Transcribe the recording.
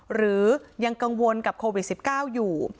หรือยังกังวลกับโควิด๑๙อยู่